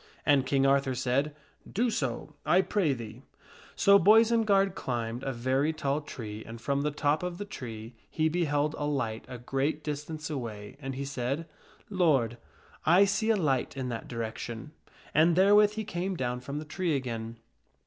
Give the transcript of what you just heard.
And King Arthur said, " Do so, I pray thee." So Boisenard climbed a very tall tree and from the top of the tree he Boisenard be beheld a light a great distance away, and he said, " Lord, I hoidethaiight. see a light in that direction." And therewith he came down from the tree again.